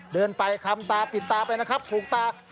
เดินไปคำตาปิดตาไปนะครับผูกตา